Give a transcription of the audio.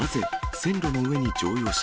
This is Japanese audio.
線路の上に乗用車。